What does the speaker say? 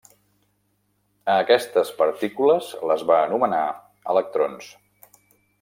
A aquestes partícules les va anomenar electrons.